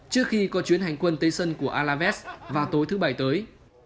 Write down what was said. trước khi có chuyến hành quân tới sân của alvest vào tối thứ bảy tới